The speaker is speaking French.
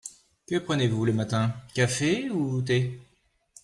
Que prenez-vous le matin ? Café ou thé ?